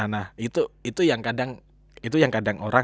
nah itu yang kadang